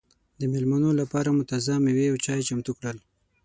د مېلمنو لپاره مو تازه مېوې او چای چمتو کړل.